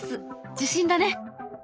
受信だね。